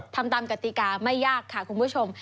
ทำตามกติกาไม่ยากค่ะคุณผู้ชม